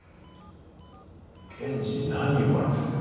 検事に何言われてんだよ